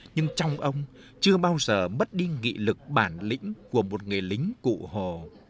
nhưng trong ông chưa bao giờ mất đi nghị lực bản lĩnh của một người lính cụ hồ